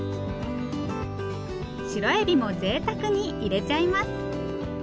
シロエビもぜいたくに入れちゃいます。